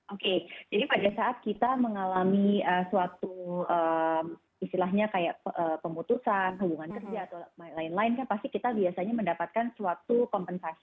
oke jadi pada saat kita mengalami suatu istilahnya kayak pemutusan hubungan kerja atau lain lain kan pasti kita biasanya mendapatkan suatu kompensasi